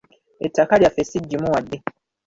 Ettaka lyaffe si ggimu wadde.